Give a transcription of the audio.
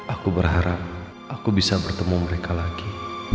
aku berharap aku bisa bertemu mereka lagi